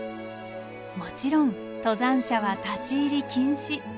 もちろん登山者は立ち入り禁止。